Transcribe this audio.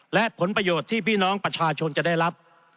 และผลประโยชน์ที่พี่น้องประชาชนจะได้รับ